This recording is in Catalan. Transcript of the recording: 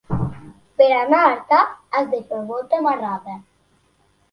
Per anar a Artà has de fer molta marrada.